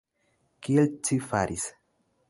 Kiel ci faris?